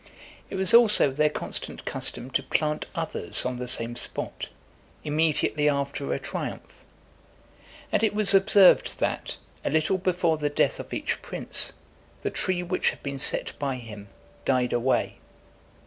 It was also their constant custom to plant others on the same spot, immediately after a triumph; and it was observed that, a little before the death of each prince, the tree which had been set by him died away.